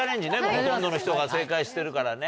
ほとんどの人が正解してるからね。